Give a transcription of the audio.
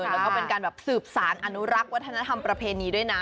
แล้วก็เป็นการแบบสืบสารอนุรักษ์วัฒนธรรมประเพณีด้วยนะ